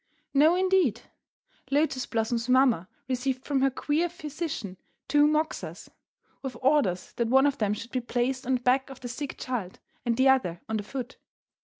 '" No, indeed. Lotus Blossom's mamma received from her queer physician two "moxas," with orders that one of them should be placed on the back of the sick child, and the other on her foot.